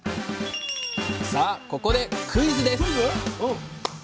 さあここでクイズです！